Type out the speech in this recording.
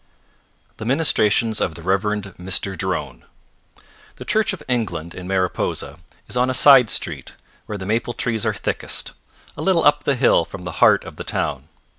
The Ministrations of the Rev. Mr. Drone The Church of England in Mariposa is on a side street, where the maple trees are thickest, a little up the hill from the heart of the town.